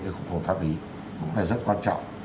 cái khủng hộp pháp lý cũng là rất quan trọng